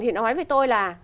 thì nói với tôi là